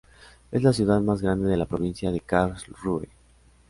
Es la ciudad más grande de la Provincia de Karlsruhe.